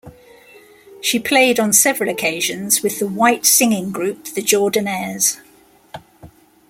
She played on several occasions with the white singing group the Jordanaires.